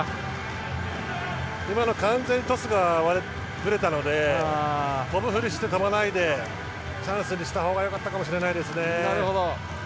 今の完全にトスがぶれたので跳ぶふりして、飛ばないでチャンスにしたほうが良かったかもしれないですね。